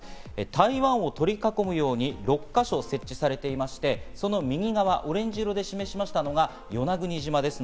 台湾を取り囲むように６か所設置されていまして、その右側・オレンジ色で示しましたのが与那国島です。